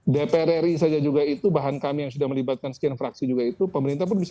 dpr ri saja juga itu bahan kami yang sudah melibatkan sekian fraksi juga itu pemerintah pun bisa